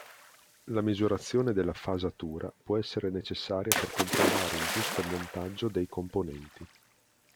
La misurazione della fasatura può essere necessaria per controllare il giusto montaggio dei componenti.